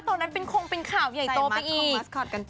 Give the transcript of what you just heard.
ตอนนั้นคงเป็นข่าวใหญ่โตไปอีก